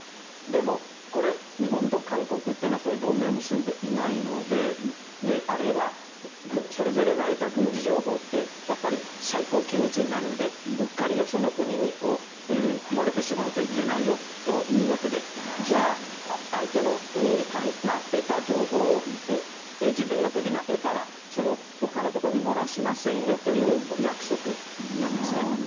でも、これ日本と韓国は同盟を結んでいませんしあるいはそれぞれが得た軍事情報ってやっぱり、最高機密になるのでうっかり、よその国に漏れてしまうといけないよというわけでじゃあ、相手の国が得た情報を自分の国が得たらそれを他のところに漏らしませんよという約束なんですね。